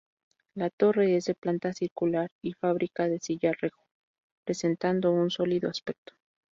La torre es de planta circular y fábrica de sillarejo, presentando un sólido aspecto.